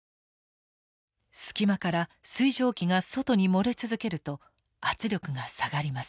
隙間から水蒸気が外に漏れ続けると圧力が下がります。